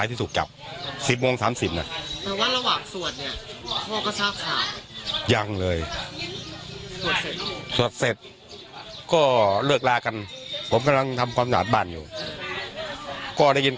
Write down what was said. มันรู้สึกเหมือนว่าทุกอย่างทุกอย่างมันโอเคแล้วโอเค